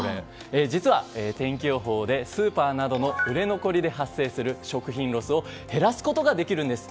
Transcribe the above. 実は、天気予報でスーパーなどの売れ残りで発生する食品ロスを減らすことができるんです。